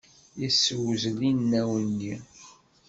Yessewzel inaw-nni.